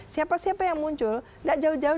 siapa siapa yang muncul tidak jauh jauh